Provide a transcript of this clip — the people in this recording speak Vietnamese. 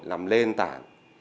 làm lên tảng